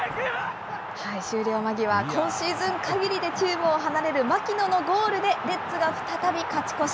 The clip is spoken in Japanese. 終了間際、今シーズン限りでチームを離れる槙野のゴールで、レッズが再び勝ち越し。